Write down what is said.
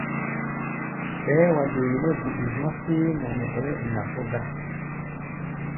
Ɓɛɛ́ wa dee nɛ́ guɗu-zɔ̧́ héé mɔ nɛ ɛ́ɛ́ iŋa só gá.